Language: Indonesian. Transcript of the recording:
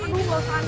aduh bosan ya